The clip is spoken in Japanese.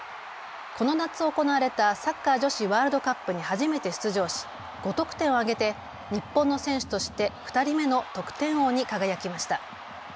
この夏行われたサッカー女子ワールドカップに初めて出場し５得点を挙げて日本の選手として２人目の得点王に輝きました。